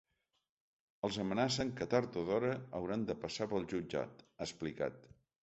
Els amenacen que, tard o d’hora, hauran de passar pel jutjat, han explicat.